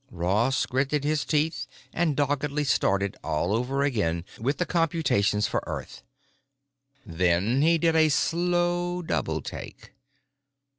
Ross gritted his teeth and doggedly started all over again with the computations for Earth. Then he did a slow double take.